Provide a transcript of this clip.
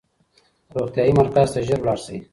روغتیايي مرکز ته ژر لاړ شئ.